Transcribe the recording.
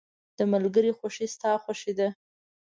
• د ملګري خوښي ستا خوښي ده.